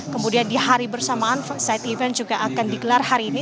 kemudian di hari bersamaan side event juga akan digelar hari ini